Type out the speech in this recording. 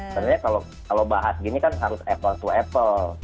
sebenarnya kalau bahas gini kan harus apple to apple